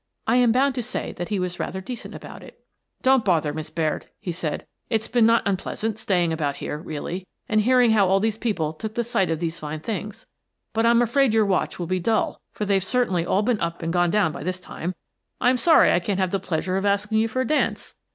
I am bound to say that he was rather decent about it. " Don't bother, Miss Baird," he said. " It's been not unpleasant, staying about here, really, and hear ing how all these people took the sight of all these fine things. But I'm afraid your watch will be dull, for they've certainly all been up and gone down again by this time. I am sorry I can't have the pleasure of asking you for a dance."